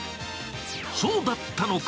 そうだったのか！